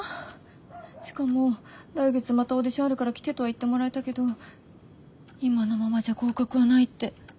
しかも来月またオーディションあるから来てとは言ってもらえたけど今のままじゃ合格はないって。